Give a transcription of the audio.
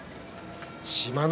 志摩ノ